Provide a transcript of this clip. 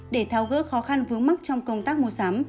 để thao gỡ khó khăn vướng mắt trong công tác mua sắm